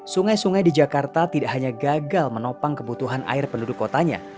sungai sungai di jakarta tidak hanya gagal menopang kebutuhan air penduduk kotanya